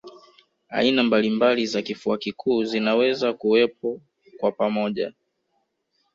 Aina mbalimbali za kifua kikuu zinaweza kuwepo kwa pamoja